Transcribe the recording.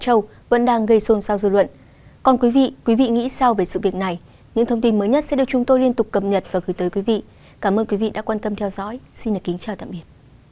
hãy đăng ký kênh để ủng hộ kênh của chúng mình nhé